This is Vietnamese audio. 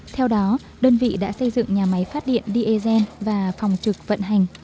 theo đó đơn vị đã xây dựng nhà máy phát điện d agen và phòng trực vận hành